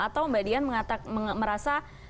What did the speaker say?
atau mbak dian merasa